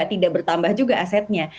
tidak bertambah juga asetnya